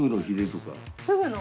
ふぐの？